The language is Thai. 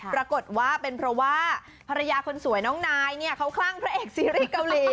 ปรากฏว่าเป็นเพราะว่าภรรยาคนสวยน้องนายเนี่ยเขาคลั่งพระเอกซีรีส์เกาหลี